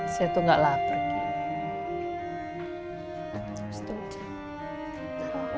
saya tuh nggak lapar kiki